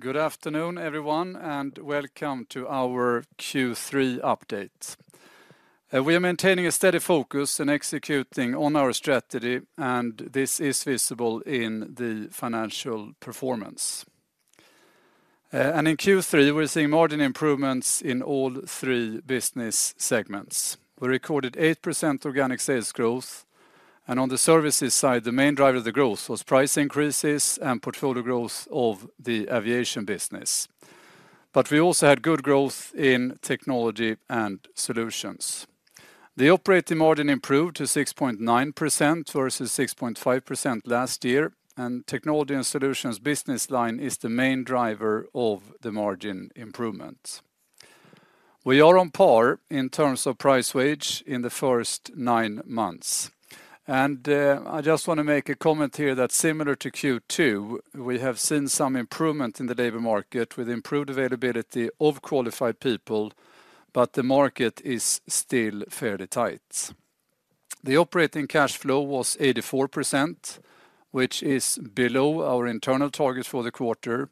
Good afternoon, everyone, and welcome to our Q3 update. We are maintaining a steady focus and executing on our strategy, and this is visible in the financial performance. And in Q3, we're seeing margin improvements in all three business segments. We recorded 8% organic sales growth, and on the services side, the main driver of the growth was price increases and portfolio growth of the aviation business. But we also had good growth in technology and solutions. The operating margin improved to 6.9% versus 6.5% last year, and technology and solutions business line is the main driver of the margin improvements. We are on par in terms of price wage in the first nine months. I just want to make a comment here that similar to Q2, we have seen some improvement in the labor market with improved availability of qualified people, but the market is still fairly tight. The operating cash flow was 84%, which is below our internal target for the quarter,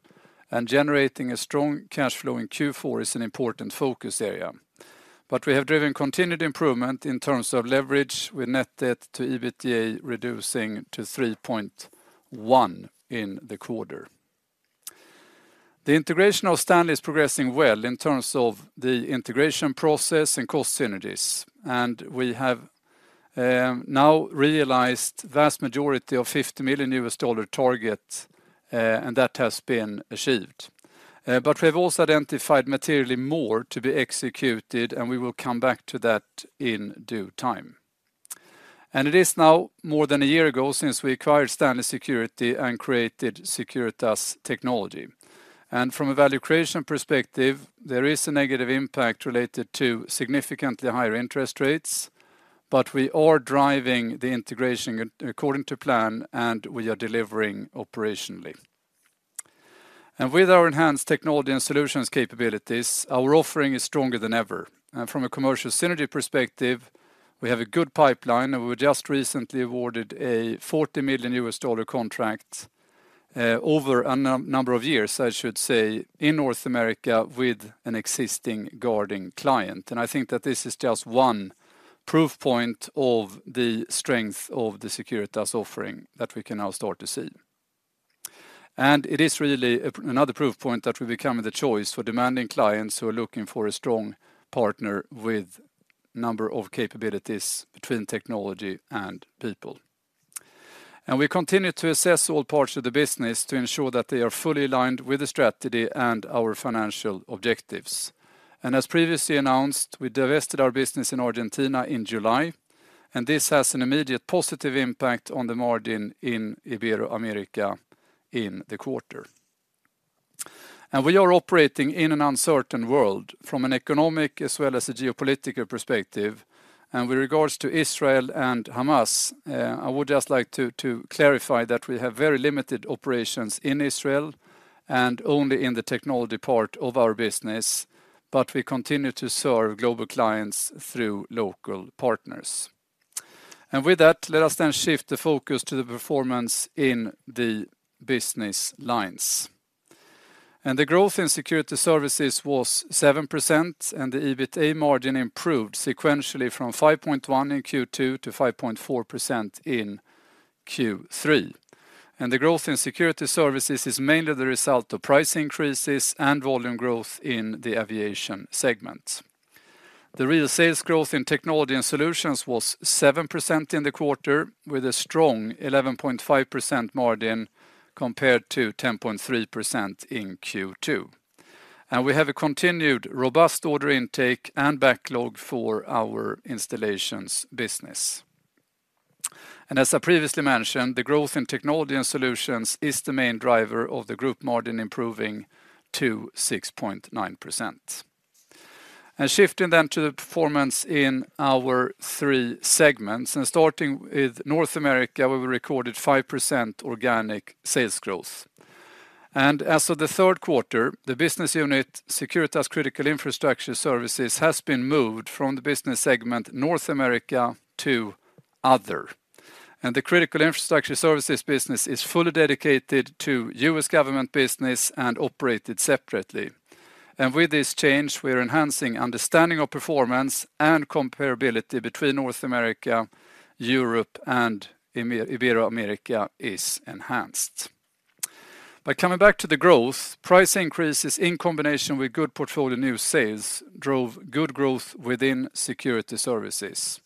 and generating a strong cash flow in Q4 is an important focus area. But we have driven continued improvement in terms of leverage, with net debt to EBITDA reducing to 3.1% in the quarter. The integration of Stanley is progressing well in terms of the integration process and cost synergies, and we have now realized vast majority of $50 million target, and that has been achieved. But we have also identified materially more to be executed, and we will come back to that in due time. It is now more than a year ago since we acquired Stanley Security and created Securitas Technology. From a value creation perspective, there is a negative impact related to significantly higher interest rates, but we are driving the integration according to plan, and we are delivering operationally. With our enhanced technology and solutions capabilities, our offering is stronger than ever. From a commercial synergy perspective, we have a good pipeline, and we were just recently awarded a $40 million contract over a number of years, I should say, in North America with an existing guarding client. I think that this is just one proof point of the strength of the Securitas offering that we can now start to see. It is really another proof point that we're becoming the choice for demanding clients who are looking for a strong partner with number of capabilities between technology and people. We continue to assess all parts of the business to ensure that they are fully aligned with the strategy and our financial objectives. As previously announced, we divested our business in Argentina in July, and this has an immediate positive impact on the margin in Ibero-America in the quarter. We are operating in an uncertain world from an economic as well as a geopolitical perspective. With regards to Israel and Hamas, I would just like to clarify that we have very limited operations in Israel and only in the technology part of our business, but we continue to serve global clients through local partners. With that, let us then shift the focus to the performance in the business lines. The growth in security services was 7%, and the EBITDA margin improved sequentially from 5.1% in Q2 to 5.4% in Q3. The growth in security services is mainly the result of price increases and volume growth in the aviation segment. The real sales growth in technology and solutions was 7% in the quarter, with a strong 11.5% margin compared to 10.3% in Q2. We have a continued robust order intake and backlog for our installations business. As I previously mentioned, the growth in technology and solutions is the main driver of the group margin improving to 6.9%. Shifting then to the performance in our three segments, and starting with North America, where we recorded 5% organic sales growth. As of the third quarter, the business unit, Securitas Critical Infrastructure Services, has been moved from the business segment North America to Other. The Critical Infrastructure Services business is fully dedicated to U.S. government business and operated separately. With this change, we are enhancing understanding of performance and comparability between North America, Europe, and Ibero-America is enhanced. Coming back to the growth, price increases in combination with good portfolio new sales drove good growth within security services.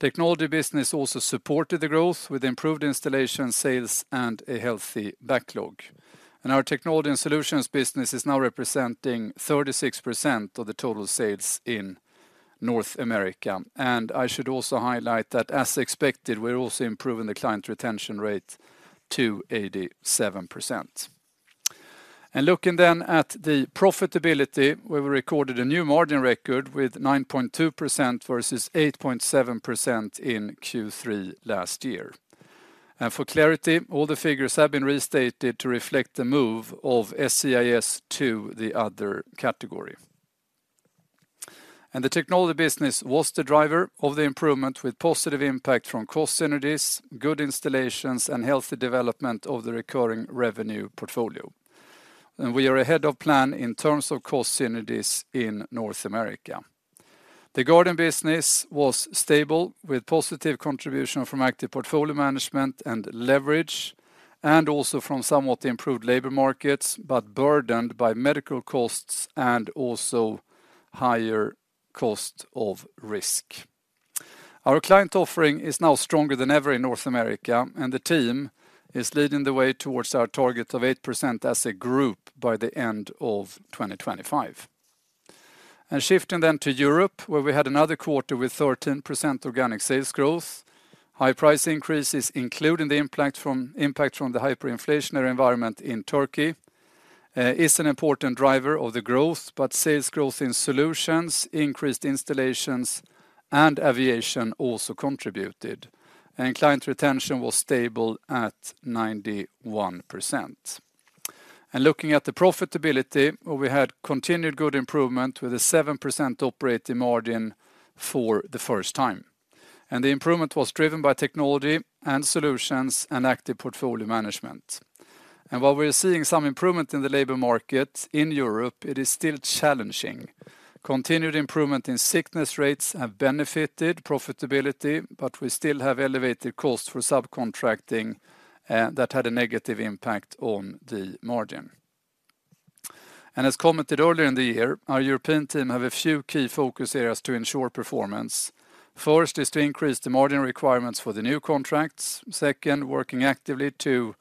Technology business also supported the growth with improved installation, sales, and a healthy backlog. Our technology and solutions business is now representing 36% of the total sales in North America. I should also highlight that, as expected, we're also improving the client retention rate to 87%. Looking then at the profitability, we recorded a new margin record with 9.2% versus 8.7% in Q3 last year. For clarity, all the figures have been restated to reflect the move of SCIS to the Other category. The technology business was the driver of the improvement, with positive impact from cost synergies, good installations, and healthy development of the recurring revenue portfolio. We are ahead of plan in terms of cost synergies in North America. The guarding business was stable, with positive contribution from active portfolio management and leverage, and also from somewhat improved labor markets, but burdened by medical costs and also higher cost of risk. Our client offering is now stronger than ever in North America, and the team is leading the way towards our target of 8% as a group by the end of 2025. Shifting then to Europe, where we had another quarter with 13% organic sales growth. High price increases, including the impact from the hyperinflationary environment in Turkey, is an important driver of the growth, but sales growth in solutions, increased installations, and aviation also contributed. Client retention was stable at 91%. Looking at the profitability, where we had continued good improvement, with a 7% operating margin for the first time. The improvement was driven by technology and solutions and active portfolio management. While we are seeing some improvement in the labor market in Europe, it is still challenging. Continued improvement in sickness rates have benefited profitability, but we still have elevated costs for subcontracting that had a negative impact on the margin. As commented earlier in the year, our European team have a few key focus areas to ensure performance. First is to increase the margin requirements for the new contracts. Second, working actively to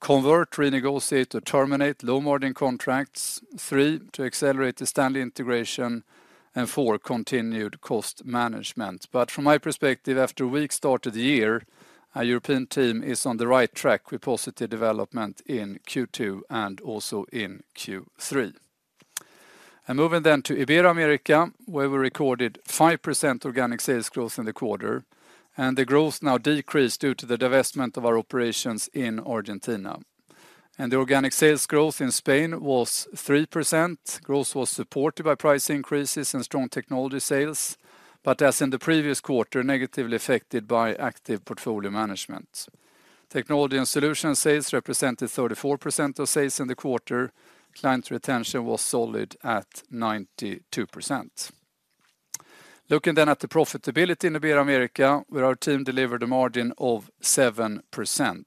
convert, renegotiate, or terminate low-margin contracts. Three, to accelerate the Stanley integration. And four, continued cost management. But from my perspective, after a weak start to the year, our European team is on the right track with positive development in Q2 and also in Q3. Moving then to Ibero-America, where we recorded 5% organic sales growth in the quarter, and the growth now decreased due to the divestment of our operations in Argentina. And the organic sales growth in Spain was 3%. Growth was supported by price increases and strong technology sales, but as in the previous quarter, negatively affected by active portfolio management. Technology and solution sales represented 34% of sales in the quarter. Client retention was solid at 92%. Looking then at the profitability in Ibero-America, where our team delivered a margin of 7%,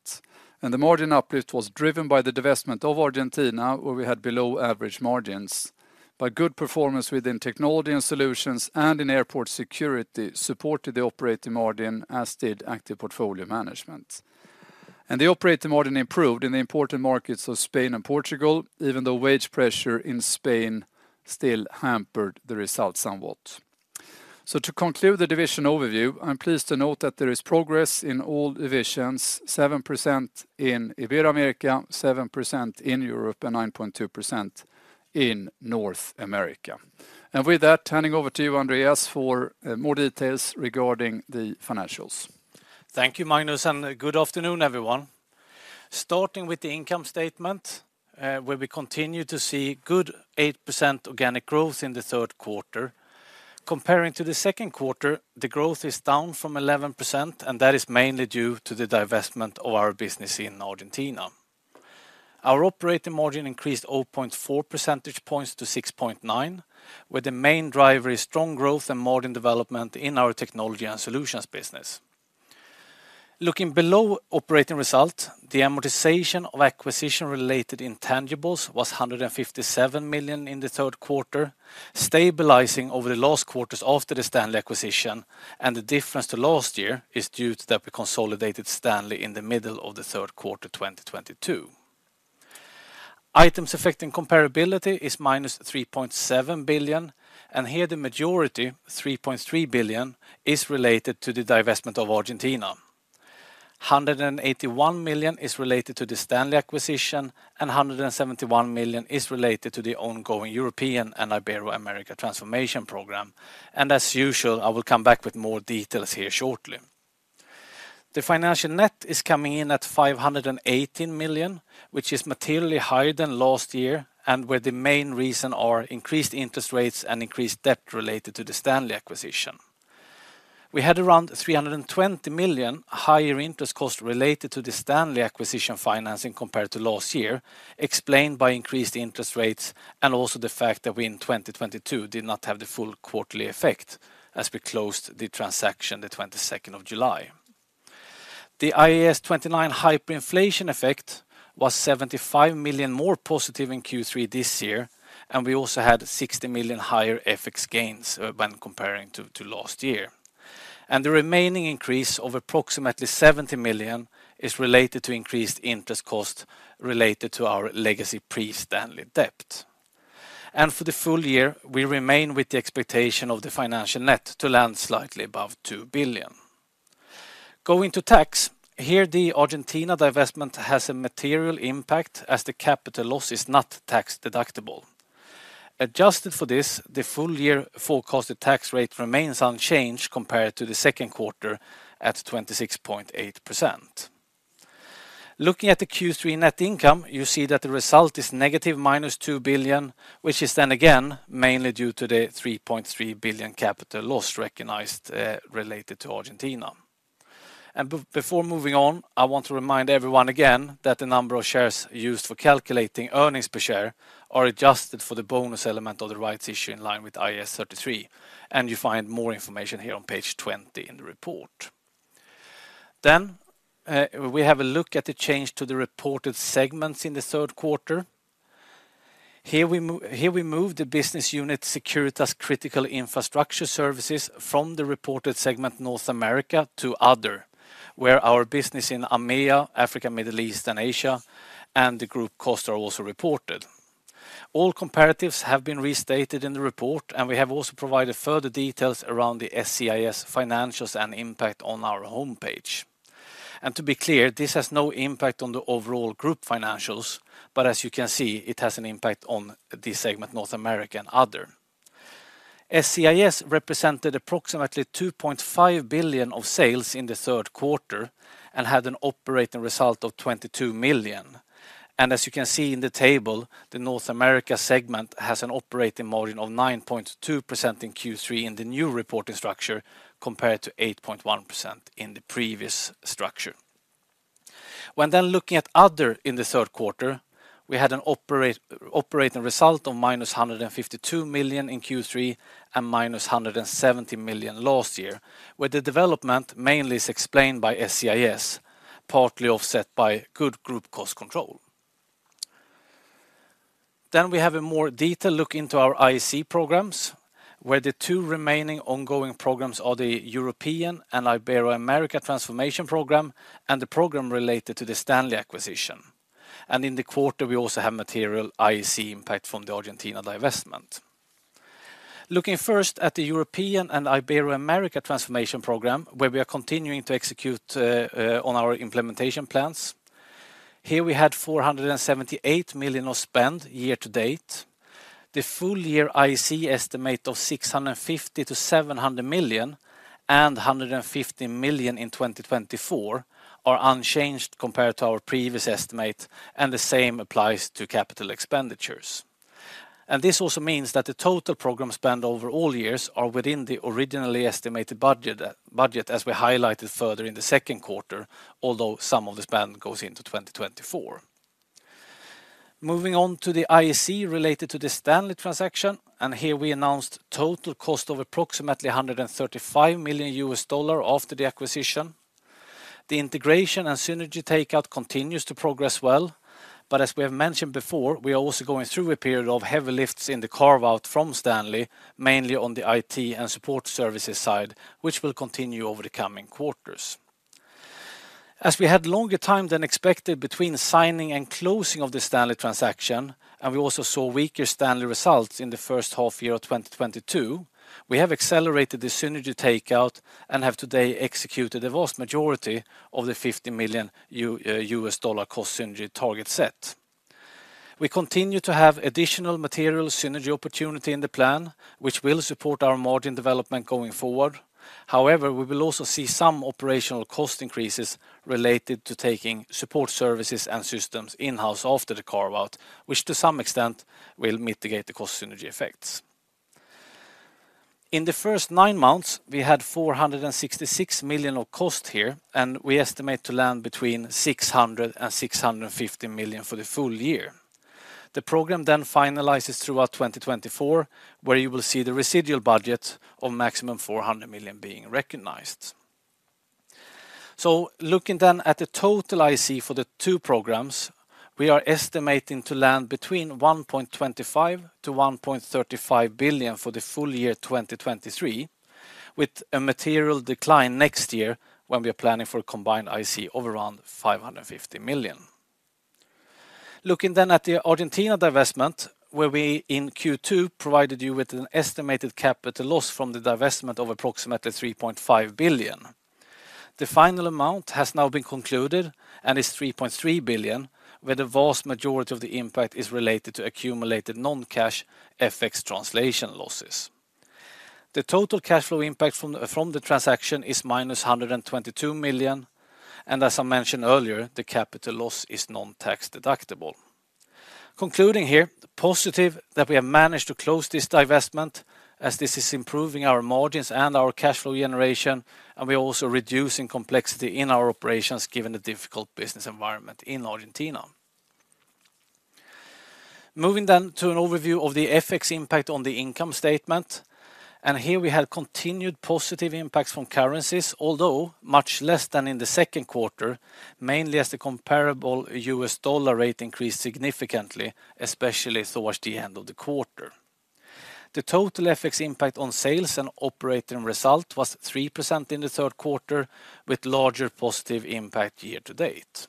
and the margin uplift was driven by the divestment of Argentina, where we had below-average margins. But good performance within technology and solutions and in airport security supported the operating margin, as did active portfolio management. And the operating margin improved in the important markets of Spain and Portugal, even though wage pressure in Spain still hampered the results somewhat. So to conclude the division overview, I'm pleased to note that there is progress in all divisions: 7% in Ibero-America, 7% in Europe, and 9.2% in North America. With that, turning over to you, Andreas, for more details regarding the financials. Thank you, Magnus, and good afternoon, everyone. Starting with the income statement, where we continue to see good 8% organic growth in the third quarter. Comparing to the second quarter, the growth is down from 11%, and that is mainly due to the divestment of our business in Argentina. Our operating margin increased 0.4 percentage points to 6.9 percentage points, where the main driver is strong growth and margin development in our technology and solutions business. Looking below operating results, the amortization of acquisition-related intangibles was 157 million in the third quarter, stabilizing over the last quarters after the Stanley acquisition, and the difference to last year is due to that we consolidated Stanley in the middle of the third quarter, 2022. Items Affecting Comparability is -3.7 billion, and here the majority, 3.3 billion, is related to the divestment of Argentina. 181 million is related to the Stanley acquisition, and 171 million is related to the ongoing European and Ibero-America transformation program. And as usual, I will come back with more details here shortly. The financial net is coming in at 518 million, which is materially higher than last year, and where the main reason are increased interest rates and increased debt related to the Stanley acquisition. We had around 320 million higher interest costs related to the Stanley acquisition financing compared to last year, explained by increased interest rates and also the fact that we in 2022 did not have the full quarterly effect, as we closed the transaction the 22nd of July. The IAS 29 hyperinflation effect was 75 million more positive in Q3 this year, and we also had 60 million higher FX gains when comparing to last year. The remaining increase of approximately 70 million is related to increased interest costs related to our legacy pre-Stanley debt. For the full year, we remain with the expectation of the financial net to land slightly above 2 billion. Going to tax, here, the Argentina divestment has a material impact as the capital loss is not tax deductible. Adjusted for this, the full year forecasted tax rate remains unchanged compared to the second quarter at 26.8%. Looking at the Q3 net income, you see that the result is negative -2 billion, which is then again, mainly due to the 3.3 billion capital loss recognized related to Argentina. Before moving on, I want to remind everyone again that the number of shares used for calculating earnings per share are adjusted for the bonus element of the rights issue in line with IAS 33, and you find more information here on page 20 in the report. Then, we have a look at the change to the reported segments in the third quarter. Here we moved the business unit Securitas Critical Infrastructure Services from the reported segment North America to Other, where our business in AMEA, Africa, Middle East, and Asia, and the group costs are also reported. All comparatives have been restated in the report, and we have also provided further details around the SCIS financials and impact on our homepage. And to be clear, this has no impact on the overall group financials, but as you can see, it has an impact on the segment North America and Other. SCIS represented approximately 2.5 billion of sales in the third quarter and had an operating result of 22 million. And as you can see in the table, the North America segment has an operating margin of 9.2% in Q3 in the new reporting structure, compared to 8.1% in the previous structure. When then looking at Other in the third quarter, we had an operating result of -152 million in Q3 and -170 million last year, where the development mainly is explained by SCIS, partly offset by good group cost control. Then we have a more detailed look into our IAC programs, where the two remaining ongoing programs are the European and Ibero-America Transformation Program and the program related to the Stanley acquisition. And in the quarter, we also have material IAC impact from the Argentina divestment. Looking first at the European and Ibero-America Transformation Program, where we are continuing to execute on our implementation plans. Here, we had 478 million of spend year to date. The full year IAC estimate of 650 million-700 million and 150 million in 2024 are unchanged compared to our previous estimate, and the same applies to capital expenditures. This also means that the total program spend over all years are within the originally estimated budget, as we highlighted further in the second quarter, although some of the spend goes into 2024. Moving on to the IAC related to the Stanley transaction, and here we announced total cost of approximately $135 million after the acquisition. The integration and synergy takeout continues to progress well, but as we have mentioned before, we are also going through a period of heavy lifts in the carve out from Stanley, mainly on the IT and support services side, which will continue over the coming quarters. As we had longer time than expected between signing and closing of the Stanley transaction, and we also saw weaker Stanley results in the first half year of 2022, we have accelerated the synergy takeout and have today executed the vast majority of the $50 million US dollar cost synergy target set. We continue to have additional material synergy opportunity in the plan, which will support our margin development going forward. However, we will also see some operational cost increases related to taking support services and systems in-house after the carve-out, which to some extent, will mitigate the cost synergy effects. In the first nine months, we had 466 million of cost here, and we estimate to land between 600 million and 650 million for the full year. The program then finalizes throughout 2024, where you will see the residual budget of maximum 400 million being recognized. So looking then at the total IAC for the two programs, we are estimating to land between 1.25 billion-1.35 billion for the full year 2023, with a material decline next year when we are planning for a combined IAC of around 550 million. Looking then at the Argentina divestment, where we, in Q2, provided you with an estimated capital loss from the divestment of approximately 3.5 billion. The final amount has now been concluded and is 3.3 billion, where the vast majority of the impact is related to accumulated non-cash FX translation losses. The total cash flow impact from the transaction is -122 million, and as I mentioned earlier, the capital loss is non-tax deductible. Concluding here, positive that we have managed to close this divestment as this is improving our margins and our cash flow generation, and we are also reducing complexity in our operations given the difficult business environment in Argentina. Moving then to an overview of the FX impact on the income statement, and here we had continued positive impacts from currencies, although much less than in the second quarter, mainly as the comparable US dollar rate increased significantly, especially towards the end of the quarter. The total FX impact on sales and operating result was 3% in the third quarter, with larger positive impact year to date.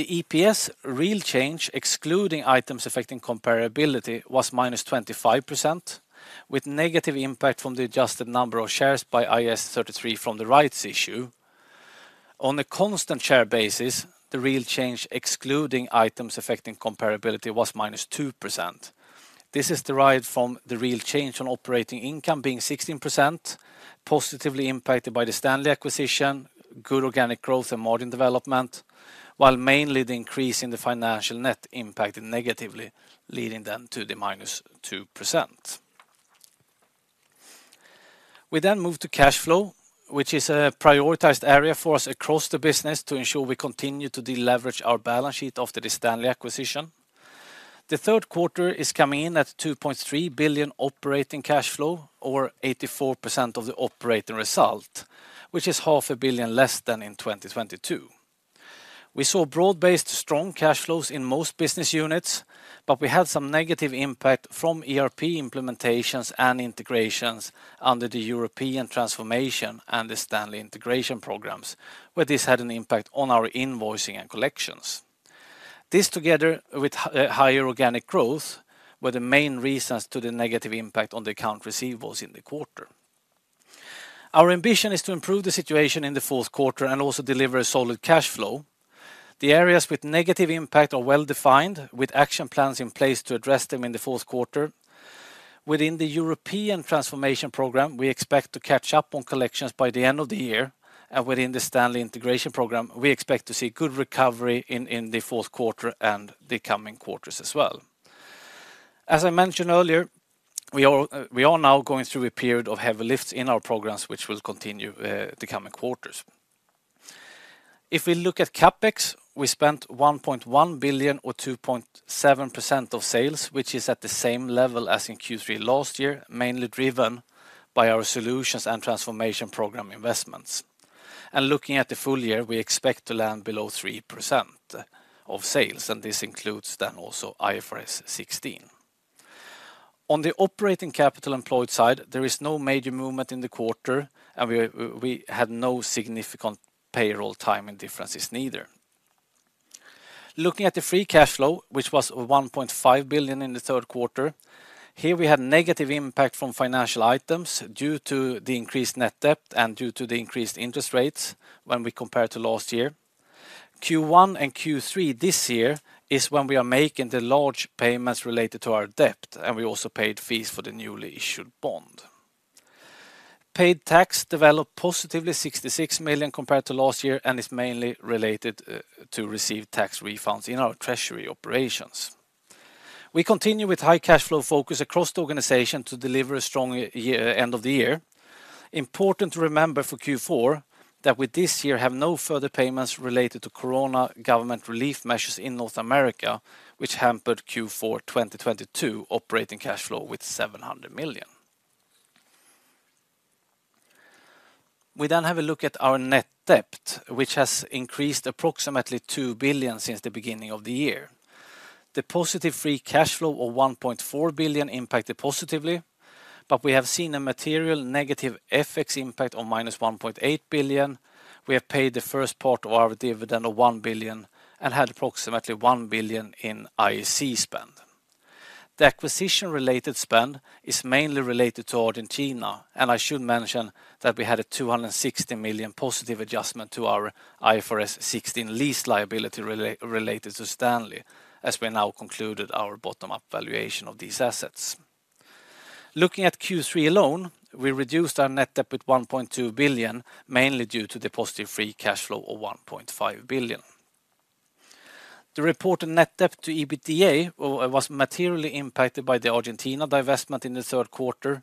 The EPS real change, excluding items affecting comparability, was -25%, with negative impact from the adjusted number of shares by IAS 33 from the rights issue. On a constant share basis the real change excluding items affecting comparability was -2%. This is derived from the real change on operating income being 16%, positively impacted by the Stanley acquisition, good organic growth and margin development, while mainly the increase in the financial net impacted negatively, leading them to the -2%. We then move to cash flow, which is a prioritized area for us across the business to ensure we continue to deleverage our balance sheet after the Stanley acquisition. The third quarter is coming in at 2.3 billion operating cash flow, or 84% of the operating result, which is 0.5 billion less than in 2022. We saw broad-based, strong cash flows in most business units, but we had some negative impact from ERP implementations and integrations under the European transformation and the Stanley integration programs, where this had an impact on our invoicing and collections. This, together with higher organic growth, were the main reasons to the negative impact on the accounts receivable in the quarter. Our ambition is to improve the situation in the fourth quarter and also deliver a solid cash flow. The areas with negative impact are well-defined, with action plans in place to address them in the fourth quarter. Within the European transformation program, we expect to catch up on collections by the end of the year, and within the Stanley integration program, we expect to see good recovery in the fourth quarter and the coming quarters as well. As I mentioned earlier, we are now going through a period of heavy lifts in our programs, which will continue the coming quarters. If we look at CapEx, we spent 1.1 billion or 2.7% of sales, which is at the same level as in Q3 last year, mainly driven by our solutions and transformation program investments. And looking at the full year, we expect to land below 3% of sales, and this includes then also IFRS 16. On the operating capital employed side, there is no major movement in the quarter, and we had no significant payroll timing differences neither. Looking at the free cash flow, which was 1.5 billion in the third quarter, here we had negative impact from financial items due to the increased net debt and due to the increased interest rates when we compare to last year. Q1 and Q3 this year is when we are making the large payments related to our debt, and we also paid fees for the newly issued bond. Paid tax developed positively, 66 million compared to last year, and is mainly related to receive tax refunds in our treasury operations. We continue with high cash flow focus across the organization to deliver a strong year, end of the year. Important to remember for Q4, that with this year, have no further payments related to Corona government relief measures in North America, which hampered Q4 2022 operating cash flow with 700 million. We then have a look at our net debt, which has increased approximately 2 billion since the beginning of the year. The positive free cash flow of 1.4 billion impacted positively, but we have seen a material negative FX impact on minus 1.8 billion. We have paid the first part of our dividend of 1 billion and had approximately 1 billion in IAC spend. The acquisition-related spend is mainly related to Argentina, and I should mention that we had a 260 million positive adjustment to our IFRS 16 lease liability related to Stanley, as we now concluded our bottom-up valuation of these assets. Looking at Q3 alone, we reduced our net debt with 1.2 billion, mainly due to the positive free cash flow of 1.5 billion. The reported net debt to EBITDA was materially impacted by the Argentina divestment in the third quarter.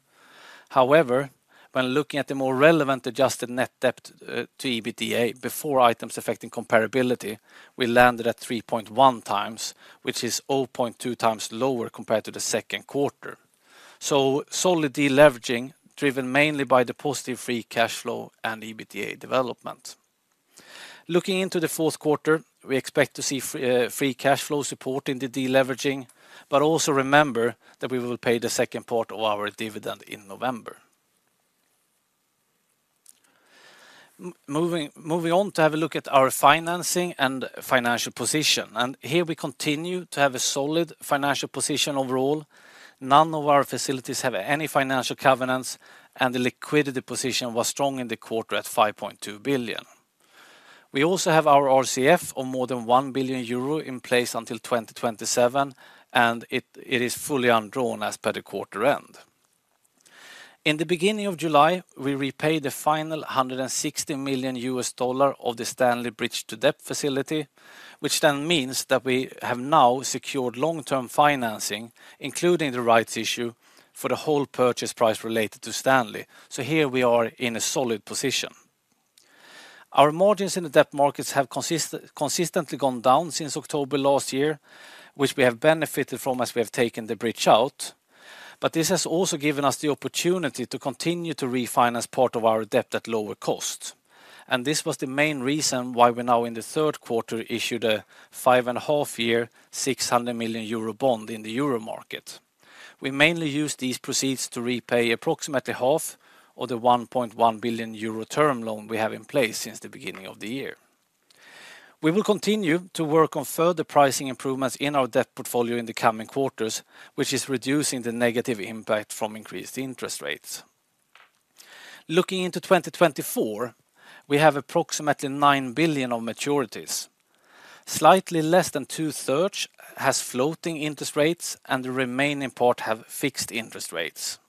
However, when looking at the more relevant adjusted net debt to EBITDA before items affecting comparability, we landed at 3.1x, which is 0.2x lower compared to the second quarter. So solid deleveraging, driven mainly by the positive free cash flow and EBITDA development. Looking into the fourth quarter, we expect to see free cash flow support in the deleveraging, but also remember that we will pay the second part of our dividend in November. Moving on to have a look at our financing and financial position, and here we continue to have a solid financial position overall. None of our facilities have any financial covenants, and the liquidity position was strong in the quarter at 5.2 billion. We also have our RCF of more than 1 billion euro in place until 2027, and it is fully undrawn as per the quarter end. In the beginning of July, we repaid the final $160 million of the Stanley Bridge to Debt facility, which then means that we have now secured long-term financing, including the rights issue, for the whole purchase price related to Stanley. So here we are in a solid position. Our margins in the debt markets have consistently gone down since October last year, which we have benefited from as we have taken the bridge out. But this has also given us the opportunity to continue to refinance part of our debt at lower cost. And this was the main reason why we, in the third quarter, issued a 5.5-year, 600 million euro bond in the Euro market. We mainly use these proceeds to repay approximately half of the 1.1 billion euro term loan we have in place since the beginning of the year. We will continue to work on further pricing improvements in our debt portfolio in the coming quarters, which is reducing the negative impact from increased interest rates. Looking into 2024, we have approximately 9 billion of maturities. Slightly less than 2/3 has floating interest rates, and the remaining part have fixed interest rates.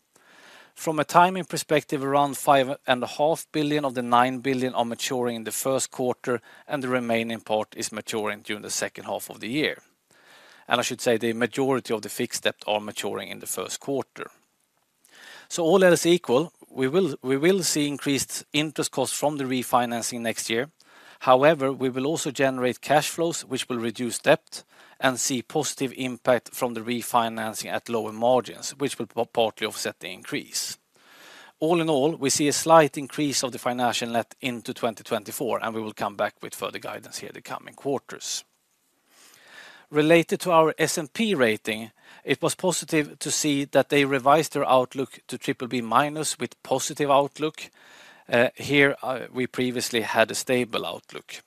From a timing perspective, around 5.5 billion of the 9 billion are maturing in the first quarter, and the remaining part is maturing during the second half of the year. I should say the majority of the fixed debt are maturing in the first quarter. All else equal, we will, we will see increased interest costs from the refinancing next year. However, we will also generate cash flows, which will reduce debt and see positive impact from the refinancing at lower margins, which will partly offset the increase. All in all, we see a slight increase of the financial net into 2024, and we will come back with further guidance here the coming quarters. Related to our S&P rating, it was positive to see that they revised their outlook to BBB- with positive outlook. Here, we previously had a stable outlook.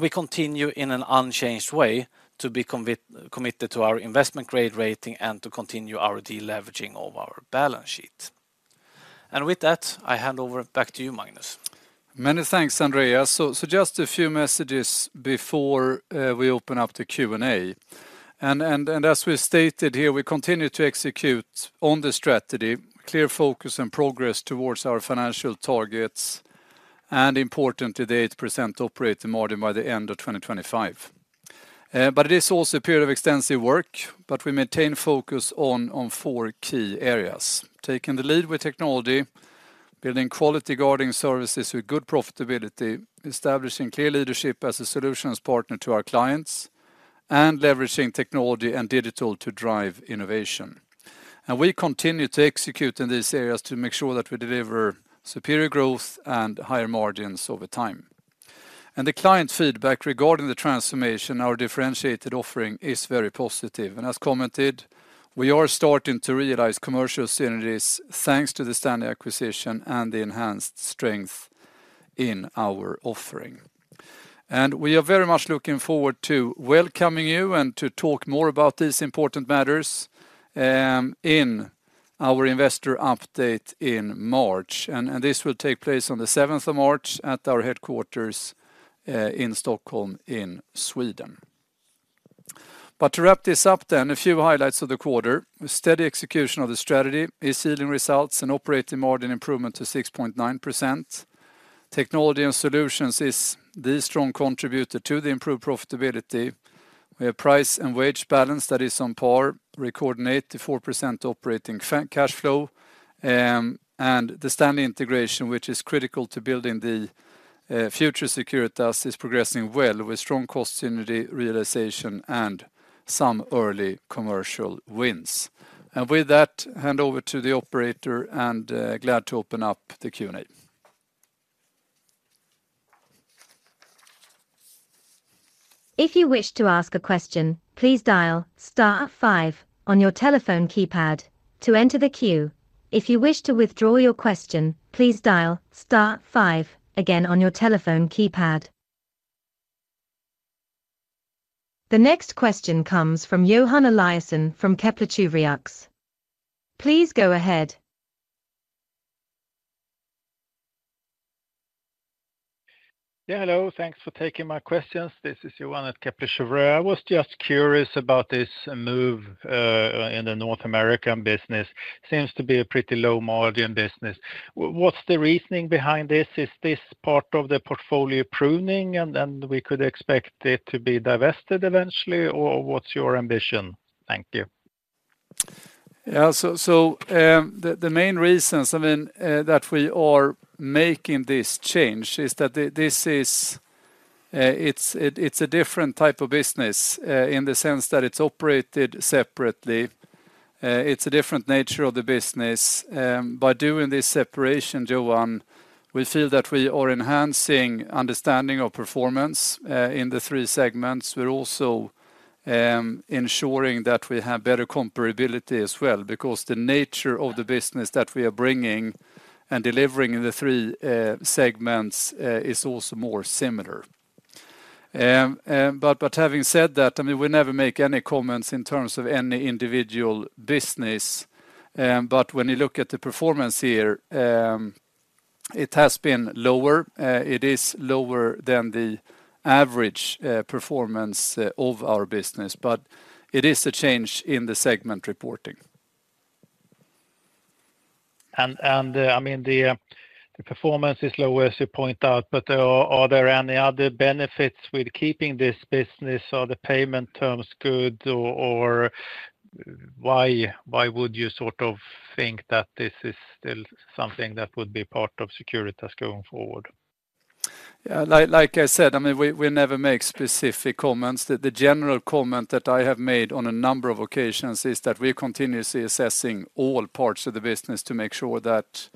We continue in an unchanged way to be committed to our investment grade rating and to continue our deleveraging of our balance sheet. With that, I hand over back to you, Magnus. Many thanks, Andreas. So, just a few messages before we open up to Q&A. And as we stated here, we continue to execute on the strategy, clear focus and progress towards our financial targets, and importantly, the 8% operating margin by the end of 2025. But it is also a period of extensive work, but we maintain focus on four key areas: taking the lead with technology, building quality guarding services with good profitability, establishing clear leadership as a solutions partner to our clients, and leveraging technology and digital to drive innovation. And we continue to execute in these areas to make sure that we deliver superior growth and higher margins over time. And the client feedback regarding the transformation, our differentiated offering is very positive. And as commented, we are starting to realize commercial synergies, thanks to the Stanley acquisition and the enhanced strength in our offering. And we are very much looking forward to welcoming you and to talk more about these important matters, in our investor update in March. And this will take place on the 7th March at our headquarters, in Stockholm, in Sweden. But to wrap this up then, a few highlights of the quarter: steady execution of the strategy is yielding results and operating margin improvement to 6.9%. Technology and solutions is the strong contributor to the improved profitability. We have price and wage balance that is on par, recording 84% operating cash flow, and the Stanley integration, which is critical to building the, future Securitas, is progressing well, with strong cost synergy realization and some early commercial wins. With that, hand over to the operator, and glad to open up the Q&A. If you wish to ask a question, please dial star five on your telephone keypad to enter the queue. If you wish to withdraw your question, please dial star five again on your telephone keypad. The next question comes from Johan Eliason from Kepler Cheuvreux. Please go ahead. Yeah, hello, thanks for taking my questions. This is Johan at Kepler Cheuvreux. I was just curious about this move in the North American business. Seems to be a pretty low-margin business. What's the reasoning behind this? Is this part of the portfolio pruning, and then we could expect it to be divested eventually, or what's your ambition? Thank you. Yeah, so, the main reasons, I mean, that we are making this change is that this is a different type of business in the sense that it's operated separately. It's a different nature of the business. By doing this separation, Johan, we feel that we are enhancing understanding of performance in the three segments. We're also ensuring that we have better comparability as well, because the nature of the business that we are bringing and delivering in the three segments is also more similar. But having said that, I mean, we never make any comments in terms of any individual business. But when you look at the performance here, it has been lower, it is lower than the average performance of our business, but it is a change in the segment reporting. And, I mean, the performance is lower, as you point out, but are there any other benefits with keeping this business? Are the payment terms good, or why would you sort of think that this is still something that would be part of Securitas going forward? Yeah, like, like I said, I mean, we, we never make specific comments. The, the general comment that I have made on a number of occasions is that we are continuously assessing all parts of the business to make sure that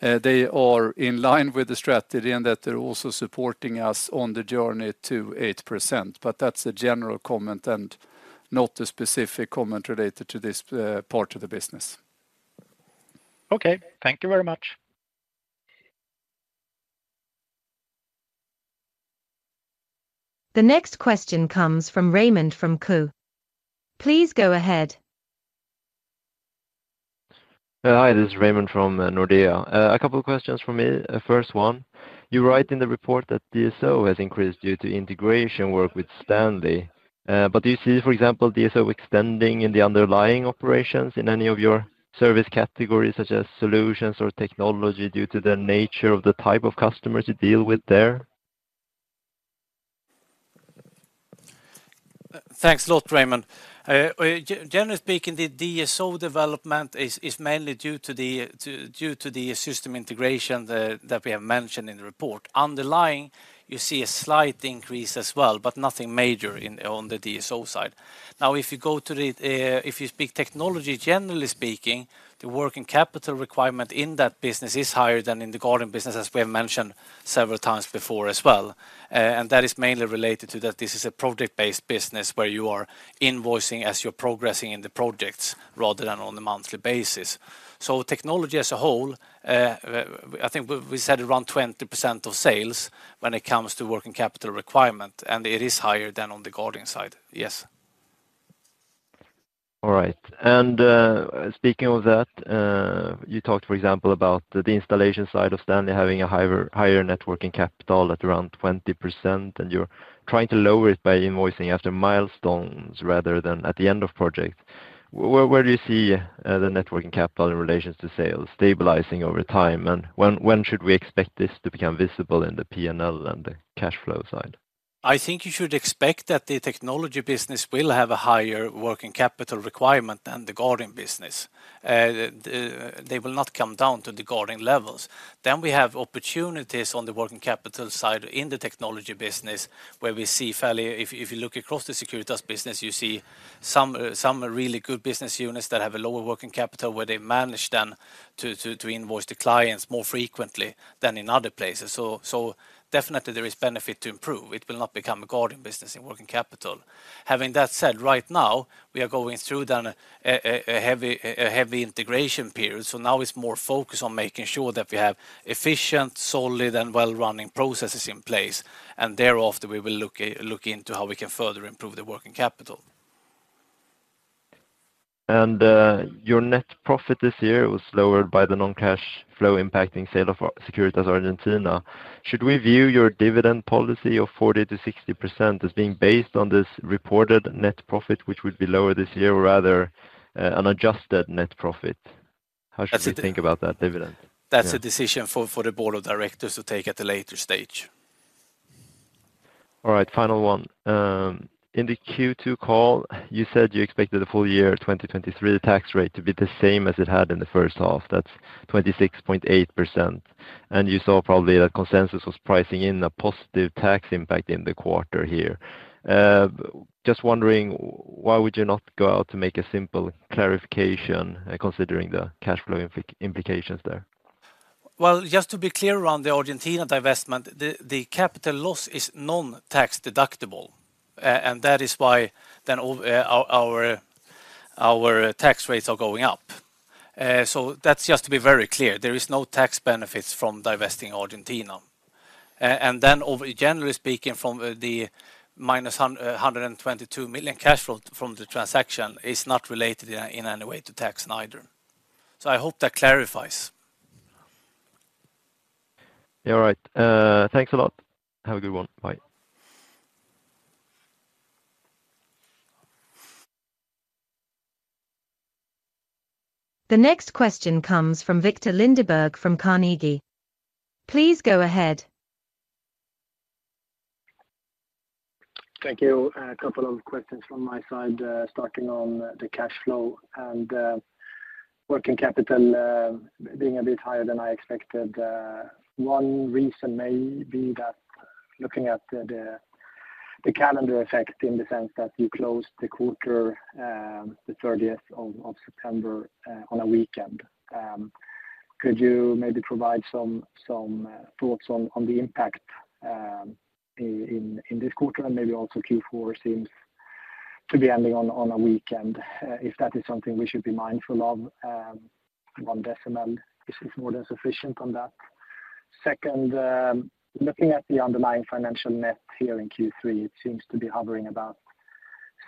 they are in line with the strategy and that they're also supporting us on the journey to 8%. But that's a general comment and not a specific comment related to this part of the business. Okay. Thank you very much. The next question comes from Raymond Ke from Nordea. Please go ahead. Hi, this is Raymond from Nordea. A couple of questions from me. First one, you write in the report that DSO has increased due to integration work with Stanley. But do you see, for example, DSO extending in the underlying operations in any of your service categories, such as solutions or technology, due to the nature of the type of customers you deal with there? Thanks a lot, Raymond. Generally speaking, the DSO development is mainly due to the system integration that we have mentioned in the report. Underlying, you see a slight increase as well, but nothing major in on the DSO side. Now, if you go to the, if you speak technology, generally speaking, the working capital requirement in that business is higher than in the guarding business, as we have mentioned several times before as well. And that is mainly related to that this is a project-based business where you are invoicing as you're progressing in the projects rather than on a monthly basis. So technology as a whole, I think we said around 20% of sales when it comes to working capital requirement, and it is higher than on the guarding side. Yes. All right. And, speaking of that, you talked, for example, about the installation side of Stanley having a higher, higher working capital at around 20%, and you're trying to lower it by invoicing after milestones rather than at the end of projects. Where, where do you see the working capital in relation to sales stabilizing over time, and when, when should we expect this to become visible in the P&L and the cash flow side? I think you should expect that the technology business will have a higher working capital requirement than the guarding business. They will not come down to the guarding levels. Then we have opportunities on the working capital side in the technology business, where we see fairly if you look across the Securitas business, you see some really good business units that have a lower working capital, where they manage them to invoice the clients more frequently than in other places. So definitely there is benefit to improve. It will not become a guarding business in working capital. Having that said, right now, we are going through then a heavy integration period, so now it's more focused on making sure that we have efficient, solid, and well-running processes in place, and thereafter, we will look into how we can further improve the working capital. Your net profit this year was lowered by the non-cash flow impacting sale of Securitas Argentina. Should we view your dividend policy of 40%-60% as being based on this reported net profit, which would be lower this year, rather than an adjusted net profit? How should we think about that dividend? That's a decision for the board of directors to take at a later stage. All right, final one. In the Q2 call, you said you expected the full year 2023 tax rate to be the same as it had in the first half. That's 26.8%, and you saw probably that consensus was pricing in a positive tax impact in the quarter here. Just wondering, why would you not go out to make a simple clarification, considering the cash flow implications there? Well, just to be clear, around the Argentina divestment, the capital loss is non-tax deductible, and that is why then all our tax rates are going up. So that's just to be very clear, there is no tax benefits from divesting Argentina. And then over... Generally speaking, from the -122 million cash flow from the transaction is not related in any way to tax neither. So I hope that clarifies. Yeah, all right. Thanks a lot. Have a good one. Bye. The next question comes from Viktor Lindeberg from Carnegie. Please go ahead. Thank you. A couple of questions from my side. Starting on the cash flow and working capital being a bit higher than I expected. One reason may be that looking at the calendar effect in the sense that you closed the quarter the 30th of September on a weekend. Could you maybe provide some thoughts on the impact in this quarter? And maybe also Q4 seems to be ending on a weekend if that is something we should be mindful of, one decimal is more than sufficient on that. Second, looking at the underlying financial net here in Q3, it seems to be hovering about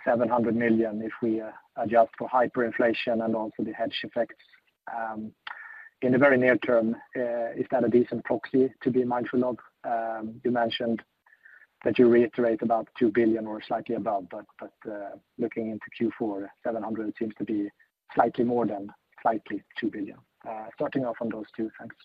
700 million if we adjust for hyperinflation and also the hedge effects. In the very near term, is that a decent proxy to be mindful of? You mentioned that you reiterate about 2 billion or slightly above, but looking into Q4, 700 million seems to be slightly more than slightly two billion. Starting off on those two. Thanks.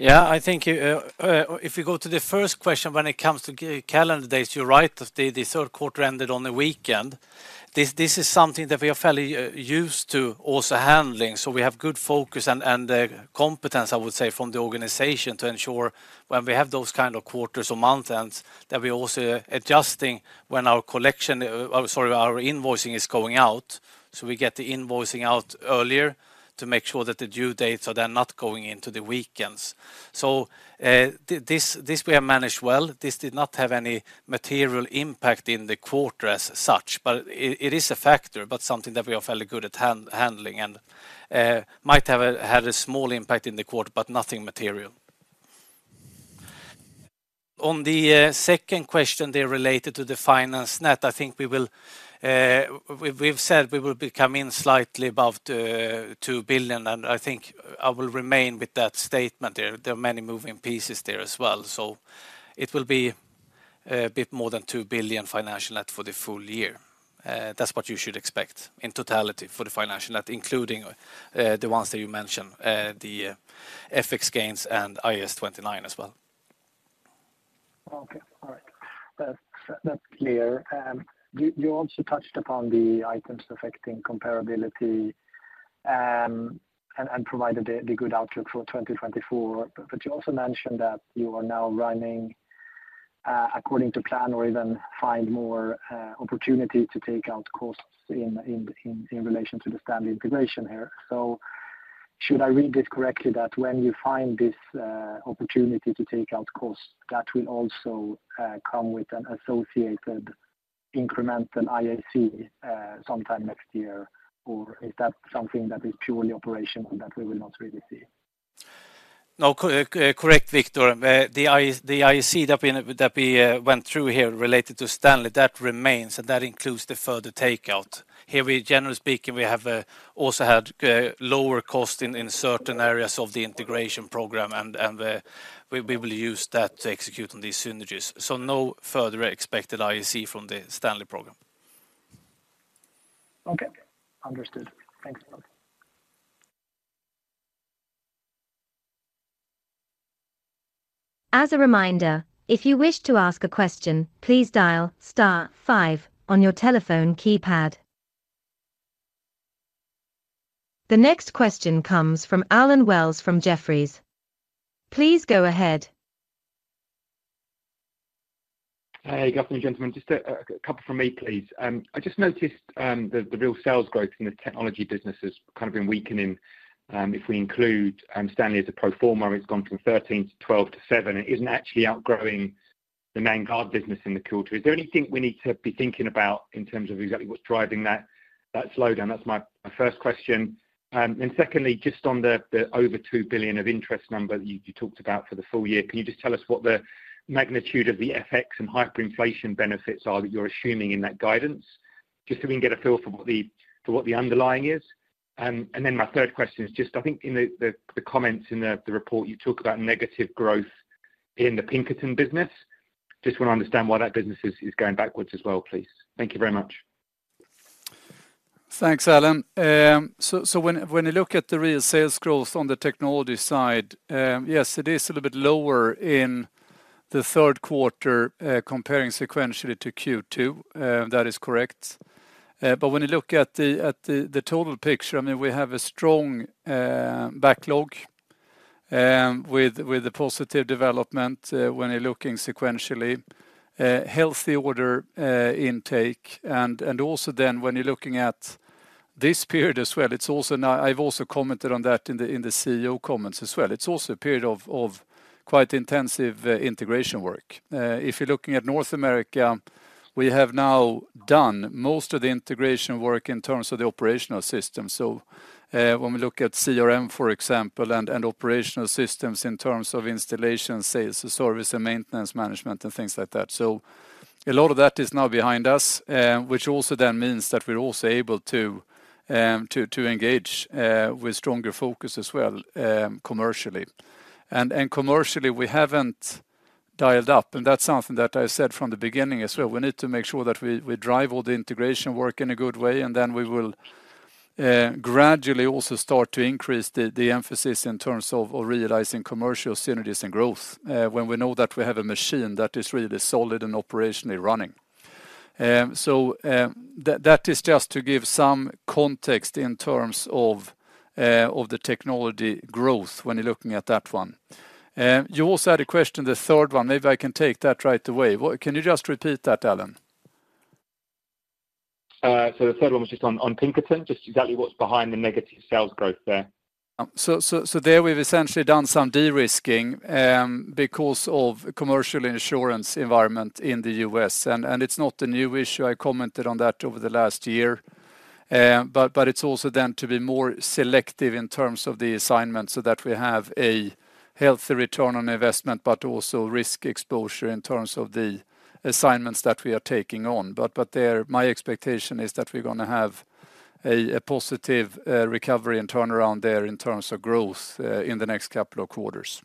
Yeah, I think, if you go to the first question, when it comes to calendar dates, you're right that the third quarter ended on a weekend. This is something that we are fairly used to also handling, so we have good focus and the competence, I would say, from the organization to ensure when we have those kind of quarters or months, and that we are also adjusting when our collection, sorry, our invoicing is going out. So we get the invoicing out earlier to make sure that the due dates are then not going into the weekends. So, this we have managed well. This did not have any material impact in the quarter as such, but it is a factor, but something that we are fairly good at handling and might have had a small impact in the quarter, but nothing material. On the second question there related to the financial net, I think we will, we've said we will be coming in slightly above 2 billion, and I think I will remain with that statement there. There are many moving pieces there as well, so it will be a bit more than 2 billion financial net for the full year. That's what you should expect in totality for the financial net, including the ones that you mentioned, the FX gains and IAS 29 as well. Okay. All right. That's, that's clear. You also touched upon the items affecting comparability, and provided the good outlook for 2024. But you also mentioned that you are now running according to plan or even find more opportunity to take out costs in relation to the standard integration here. So should I read this correctly, that when you find this opportunity to take out costs, that will also come with an associated incremental IAC sometime next year? Or is that something that is purely operational, that we will not really see? No, correct, Viktor. The IAC that we went through here related to Stanley, that remains, and that includes the further takeout. Here, we generally speaking, we have also had lower cost in certain areas of the integration program, and we will use that to execute on these synergies. So no further expected IAC from the Stanley program. Okay. Understood. Thank you. As a reminder, if you wish to ask a question, please dial star five on your telephone keypad. The next question comes from Allen Wells from Jefferies. Please go ahead. Hey, good afternoon, gentlemen. Just a couple from me, please. I just noticed the real sales growth in the technology business has kind of been weakening. If we include Stanley as a pro forma, it's gone from 13 to 12 to seven. It isn't actually outgrowing the main guard business in the quarter. Is there anything we need to be thinking about in terms of exactly what's driving that slowdown? That's my first question. And secondly, just on the over 2 billion of interest number you talked about for the full year, can you just tell us what the magnitude of the FX and hyperinflation benefits are that you're assuming in that guidance? Just so we can get a feel for what the underlying is. And then my third question is just I think in the comments in the report, you talk about negative growth in the Pinkerton business. Just want to understand why that business is going backwards as well, please. Thank you very much. Thanks, Allen. So, when you look at the real sales growth on the technology side, yes, it is a little bit lower in the third quarter, comparing sequentially to Q2. That is correct. But when you look at the total picture, I mean, we have a strong backlog with a positive development when you're looking sequentially, healthy order intake. And also then when you're looking at this period as well, it's also now. I've also commented on that in the CEO comments as well. It's also a period of quite intensive integration work. If you're looking at North America, we have now done most of the integration work in terms of the operational system. So, when we look at CRM, for example, and operational systems in terms of installation, sales, service, and maintenance management, and things like that. A lot of that is now behind us, which also then means that we're also able to engage with stronger focus as well, commercially. Commercially, we haven't dialed up, and that's something that I said from the beginning as well. We need to make sure that we drive all the integration work in a good way, and then we will gradually also start to increase the emphasis in terms of realizing commercial synergies and growth, when we know that we have a machine that is really solid and operationally running. So, that is just to give some context in terms of the technology growth when you're looking at that one. You also had a question, the third one, if I can take that right away. Can you just repeat that, Allen? So the third one was just on Pinkerton, just exactly what's behind the negative sales growth there. So there we've essentially done some de-risking because of commercial insurance environment in the U.S. And it's not a new issue. I commented on that over the last year. But it's also then to be more selective in terms of the assignment, so that we have a healthy return on investment, but also risk exposure in terms of the assignments that we are taking on. But there, my expectation is that we're gonna have a positive recovery and turnaround there in terms of growth in the next couple of quarters.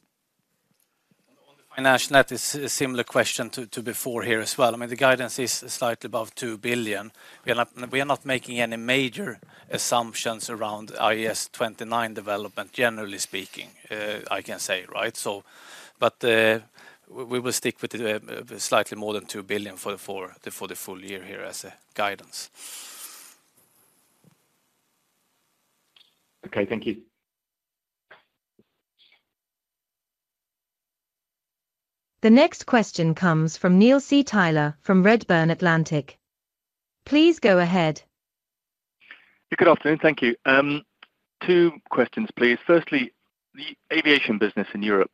On the financial net is a similar question to before here as well. I mean, the guidance is slightly above 2 billion. We are not, we are not making any major assumptions around IAS 29 development, generally speaking, I can say, right? So but, we will stick with the slightly more than 2 billion for the full year here as a guidance. Okay. Thank you. The next question comes from Neil C. Tyler, from Redburn Atlantic. Please go ahead. Good afternoon. Thank you. Two questions, please. Firstly, the aviation business in Europe,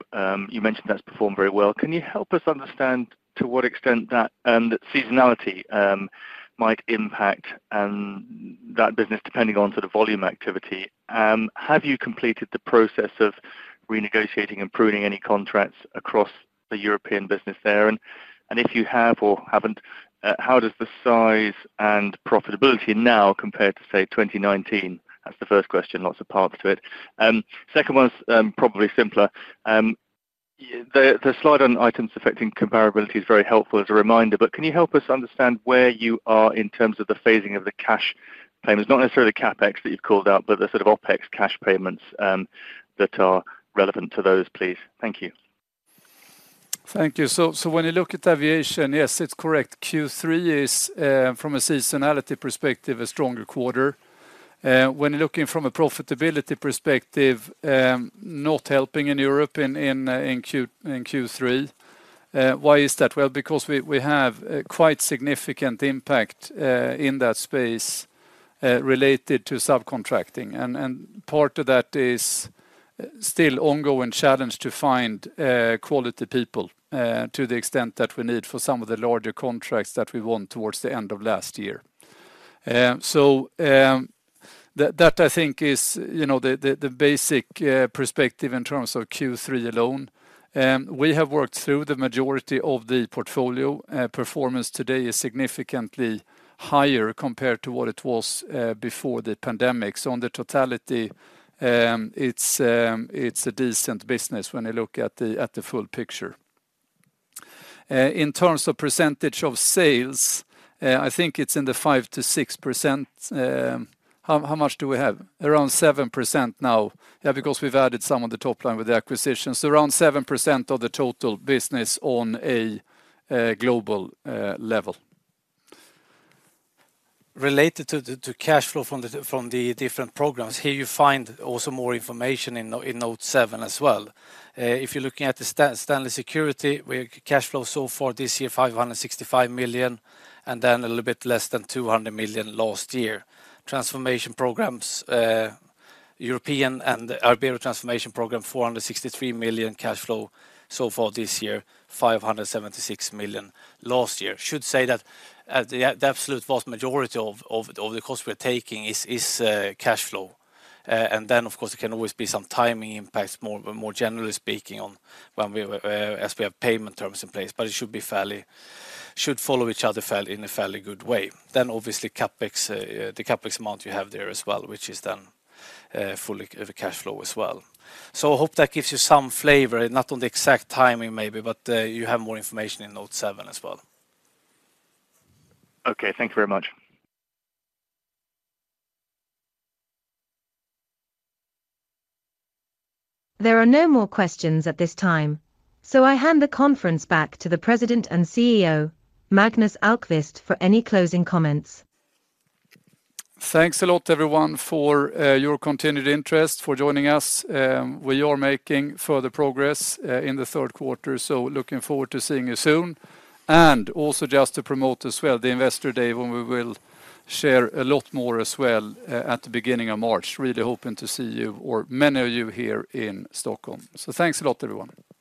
you mentioned that's performed very well. Can you help us understand to what extent that, seasonality, might impact, the-... that business, depending on sort of volume activity, have you completed the process of renegotiating and pruning any contracts across the European business there? And if you have or haven't, how does the size and profitability now compare to, say, 2019? That's the first question. Lots of parts to it. Second one's probably simpler. Yeah, the slide on items affecting comparability is very helpful as a reminder, but can you help us understand where you are in terms of the phasing of the cash payments? Not necessarily the CapEx that you've called out, but the sort of OpEx cash payments that are relevant to those, please. Thank you. Thank you. So when you look at aviation, yes, it's correct. Q3 is from a seasonality perspective a stronger quarter. When looking from a profitability perspective, not helping in Europe in Q3. Why is that? Well, because we have a quite significant impact in that space related to subcontracting. And part of that is still ongoing challenge to find quality people to the extent that we need for some of the larger contracts that we won towards the end of last year. So that I think is, you know, the basic perspective in terms of Q3 alone. We have worked through the majority of the portfolio. Performance today is significantly higher compared to what it was before the pandemic. So on the totality, it's a decent business when you look at the full picture. In terms of percentage of sales, I think it's in the 5%-6%. How much do we have? Around 7% now. Yeah, because we've added some on the top line with the acquisitions. Around 7% of the total business on a global level. Related to the cash flow from the different programs, here you find also more information in Note seven as well. If you're looking at the Stanley Security, we have cash flow so far this year, 565 million, and then a little bit less than 200 million last year. Transformation programs, European and Iberia transformation program, 463 million cash flow so far this year, 576 million last year. I should say that the absolute vast majority of the costs we're taking is cash flow. And then, of course, there can always be some timing impacts, more generally speaking, on when we as we have payment terms in place, but it should be fairly... They should follow each other fairly, in a fairly good way. Then obviously CapEx, the CapEx amount you have there as well, which is then fully of cash flow as well. So I hope that gives you some flavor, not on the exact timing, maybe, but you have more information in Note 7 as well. Okay. Thank you very much. There are no more questions at this time, so I hand the conference back to the President and CEO, Magnus Ahlqvist, for any closing comments. Thanks a lot, everyone, for your continued interest, for joining us. We are making further progress in the third quarter, so looking forward to seeing you soon. And also just to promote as well, the Investor Day, when we will share a lot more as well, at the beginning of March. Really hoping to see you or many of you here in Stockholm. So thanks a lot, everyone.